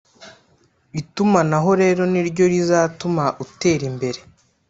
itumanaho rero ni ryo rizatuma utera imbere.